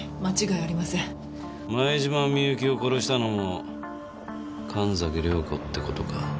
前島美雪を殺したのも神崎涼子って事か。